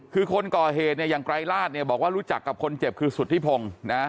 คือคนก่อเหตุเนี่ยอย่างไกรราชเนี่ยบอกว่ารู้จักกับคนเจ็บคือสุธิพงศ์นะ